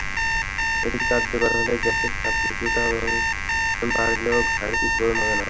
এটি কার্যকর হলে গ্যাসের চাপ কিছুটা বাড়লেও ঘাটতি পূরণ হবে না।